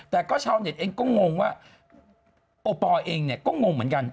แต่ก็ชาวเน็ตเองก็งงว่าโอปอลเองเนี่ยก็งงเหมือนกัน